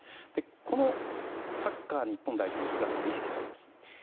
このサッカー日本代表の姿は意識されます？